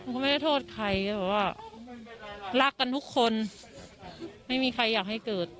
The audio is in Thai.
ก็ไม่ได้โทษใครแต่ว่ารักกันทุกคนไม่มีใครอยากให้เกิด